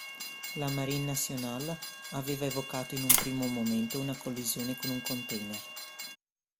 La Marine nationale aveva evocato in un primo momento una collisione con un container.